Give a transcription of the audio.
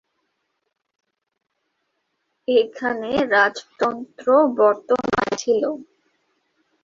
এখানে রাজতন্ত্র বর্তমান ছিল।